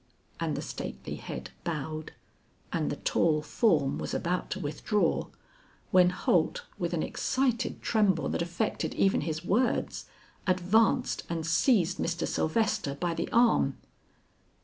And the stately head bowed and the tall form was about to withdraw, when Holt with an excited tremble that affected even his words, advanced and seized Mr. Sylvester by the arm.